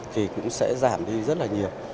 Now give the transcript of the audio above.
thì cũng sẽ giảm đi rất là nhiều